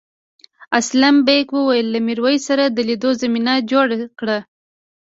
اسلم بېگ وویل له میرويس سره د لیدو زمینه جوړه کړه.